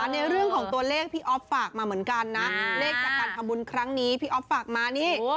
ในเรื่องของตัวเลขพี่อ๊อฟฝากมาเหมือนกันนะเลขจากการทำบุญครั้งนี้พี่อ๊อฟฝากมานี่